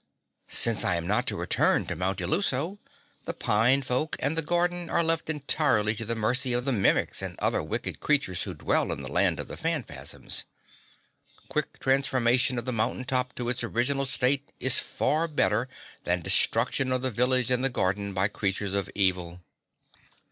"Since I am not to return to Mount Illuso, the pine folk and the garden are left entirely to the mercy of the Mimics and other wicked creatures who dwell in the Land of the Phanfasms. Quick transformation of the mountain top to its original state is far better than destruction of the village and the garden by creatures of evil."